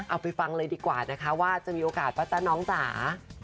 เอาไปฟังเลยดีกว่านะคะว่าจะมีโอกาสป่ะจ๊ะน้องจ๋า